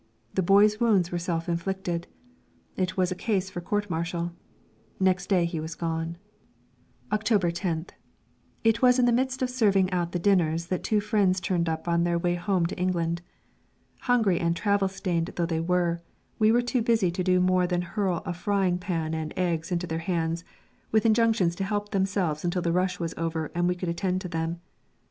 The boy's wounds were self inflicted. It was a case for court martial. Next day he was gone. October 10th. It was in the midst of serving out the dinners that two friends turned up on their way home to England. Hungry and travel stained though they were, we were too busy to do more than hurl a frying pan and eggs into their hands, with injunctions to help themselves until the rush was over and we could attend to them.